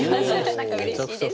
何かうれしいです。